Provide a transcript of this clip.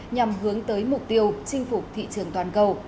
nhằm hướng tới mục tiêu chinh phục thị trường toàn cầu